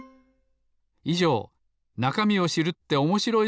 いじょう「なかみを知るっておもしろい！